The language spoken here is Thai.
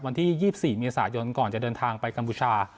วันที่๒๔เมษายนก่อนจะเดินทางไปกัมพูชา